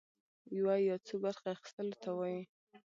يوه يا څو برخي اخيستلو ته وايي.